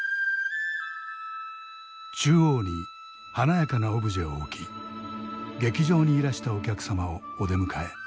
中央に華やかなオブジェを置き劇場にいらしたお客様をお出迎え。